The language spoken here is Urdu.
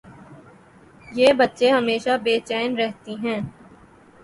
یہ بچے ہمیشہ بے چین رہتیں ہیں